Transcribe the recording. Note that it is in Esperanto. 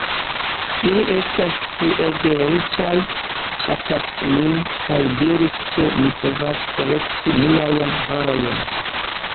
Ili estas ege riĉaj, ŝatas min, kaj diris ke mi povas elekti miajn horojn.